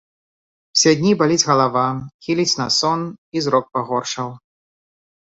Усе дні баліць галава, хіліць на сон і зрок пагоршаў.